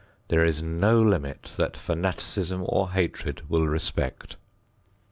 There is no limit that fanaticism or hatred will respect.